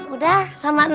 udah sama neng